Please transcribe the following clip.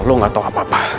kalau lo gak tau apa apa